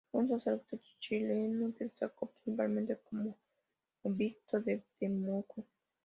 Fue un sacerdote chileno que destacó principalmente como Obispo de Temuco.